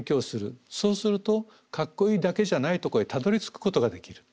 そうするとかっこいいだけじゃないとこへたどりつくことができる。